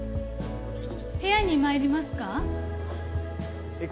部屋にまいりますか？